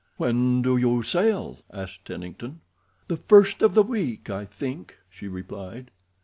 "When do you sail?" asked Tennington. "The first of the week, I think," she replied.